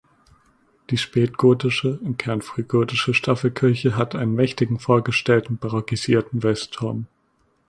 Die spätgotische im Kern frühgotische Staffelkirche hat einen mächtigen vorgestellten barockisierten Westturm.